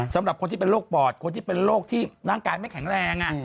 สำหรับคนที่เป็นโรคปอดคนที่เป็นโรคที่ร่างกายไม่แข็งแรง